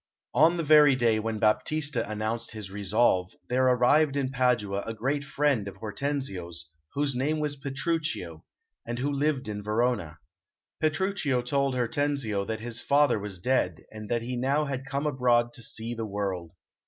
On the very day when Baptista announced his resolve, there arrived in Padua a great friend of Hortensio's, whose name was Petruchio, and who lived in Verona. Petruchio told Hortensio that his father was dead, and that he had now come abroad to see the world.